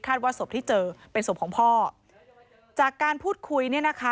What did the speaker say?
ว่าศพที่เจอเป็นศพของพ่อจากการพูดคุยเนี่ยนะคะ